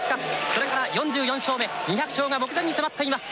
それから４４勝目２００勝が目前に迫っています。